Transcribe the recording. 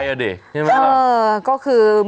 ตะก้าแบ้